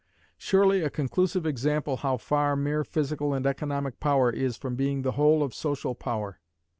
Surely a conclusive example how far mere physical and economic power is from being the whole of social power.